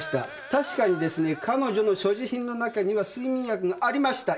確かにですね彼女の所持品の中には睡眠薬がありました。